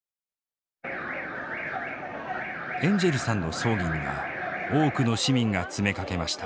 エンジェルさんの葬儀には多くの市民が詰めかけました。